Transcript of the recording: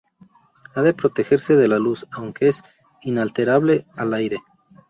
Ha de protegerse de la luz, aunque es inalterable al aire.